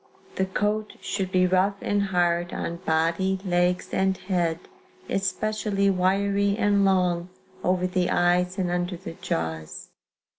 "The coat should be rough and hard on body, legs and head; especially wiry and long over the eyes and under the jaws.